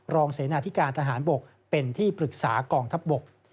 เสนาธิการทหารบกเป็นที่ปรึกษากองทัพบก